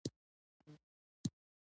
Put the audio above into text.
د نړۍ په تاریخ کې راوروسته پېښې وشوې.